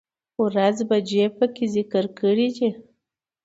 ،ورځ، بجې په کې ذکر کړى دي